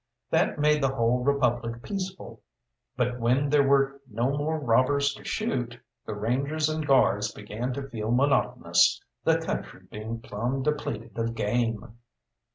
That made the whole Republic peaceful, but when there were no more robbers to shoot, the Rangers and Guards began to feel monotonous, the country being plumb depleted of game.